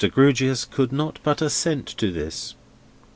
Grewgious could not but assent to this.